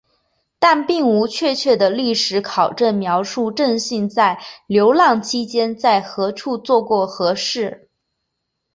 但并无确切的历史考证描述正信在流浪期间在何处做过何事。